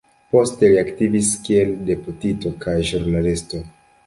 Poste li aktivis kiel deputito kaj ĵurnalisto.